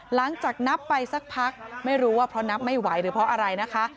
หลังจากนับไปสักพักไม่รู้ว่าเพราะนับไม่ไหวหรือเพราะอะไรนะคะ